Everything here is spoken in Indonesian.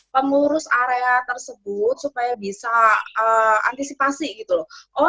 pengurus area tersebut supaya bisa antisipasi gitu loh